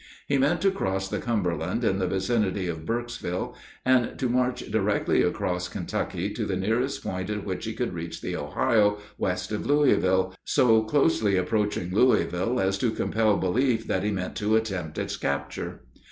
He meant to cross the Cumberland in the vicinity of Burkesville, and to march directly across Kentucky to the nearest point at which he could reach the Ohio west of Louisville, so closely approaching Louisville as to compel belief that he meant to attempt its capture.